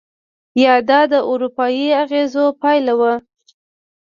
یا دا د اروپایي اغېزو پایله وه؟